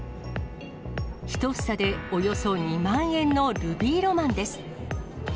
１房でおよそ２万円のルビーロマンです。